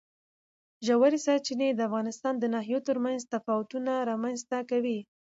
ژورې سرچینې د افغانستان د ناحیو ترمنځ تفاوتونه رامنځ ته کوي.